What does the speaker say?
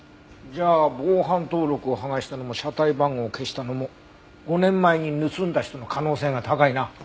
じゃあ防犯登録を剥がしたのも車体番号を消したのも５年前に盗んだ人の可能性が高いな。